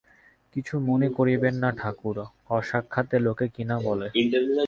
কিছু মনে করিবেন না ঠাকুর, অসাক্ষাতে লোকে কী না বলে!